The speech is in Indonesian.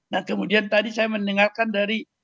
nah kemudian tadi saya mendengarkan dari